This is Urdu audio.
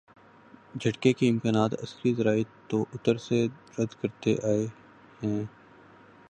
جھٹکے کے امکانات عسکری ذرائع تواتر سے رد کرتے آئے ہیں۔